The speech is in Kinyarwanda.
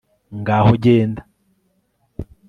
ngaho genda